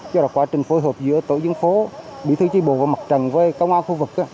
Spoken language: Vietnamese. chứ là quá trình phối hợp giữa tổ dân phố bỉ thư chi bồ và mặt trần với công an khu vực